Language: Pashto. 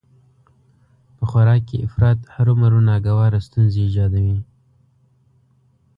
په خوراک کې افراط هرومرو ناګواره ستونزې ايجادوي